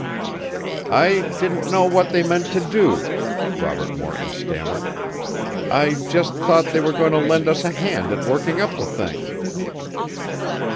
"I didn't know what they meant to do," Robert Morton stammered. "I just thought they were going to lend us a hand at working up the thing."